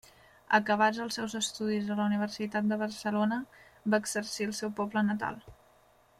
Acabats els seus estudis a la Universitat de Barcelona, va exercir al seu poble natal.